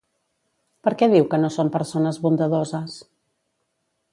Per què diu que no són persones bondadoses?